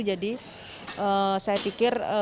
jadi saya pikir